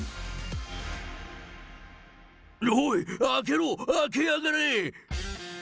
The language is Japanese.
おい、開けろ、開けやがれ！